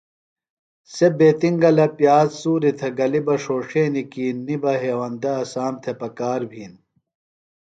سےۡ بیتِنگلہ پیاز سُوریۡ تھےۡ گلیۡ بہ ݜوݜینیۡ کی نیۡ بہ ہیوندہ اسام تھےۡ پکار بِھین۔